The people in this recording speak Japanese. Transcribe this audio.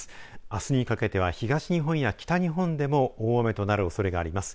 あすにかけては東日本や北日本でも大雨となるおそれがあります。